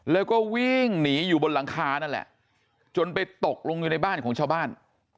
แล้วก็วิ่งหนีอยู่บนหลังคานั่นแหละจนไปตกลงอยู่ในบ้านของชาวบ้าน